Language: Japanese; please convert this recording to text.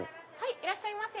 いらっしゃいませ。